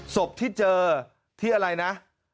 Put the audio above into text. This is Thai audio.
ศพที่เจอที่อะไรนะ